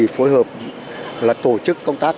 phối hợp tổ chức công tác